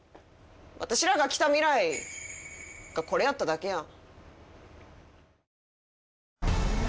私らが来た未来がこれやっただけやん。